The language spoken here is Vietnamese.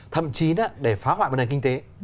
thậm chí đó để phá hoại bệnh nhân kinh tế